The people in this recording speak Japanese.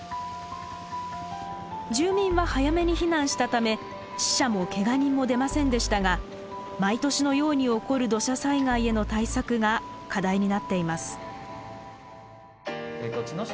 住民は早めに避難したため死者もケガ人も出ませんでしたが毎年のように起こる土砂災害への対策が課題になっています。